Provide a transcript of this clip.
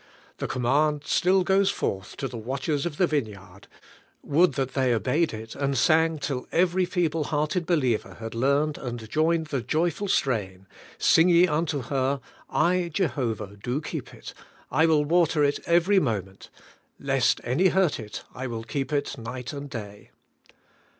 The command still goes forth to the watch ers of the vineyard, — would that they obeyed it, and sang till every feeble hearted believer had learned and joined the joyful strain, — 'Sing ye unto her: I, Jehoyah, do keep it; I will water it every moment : lest any hurt it, I will keep it night and day.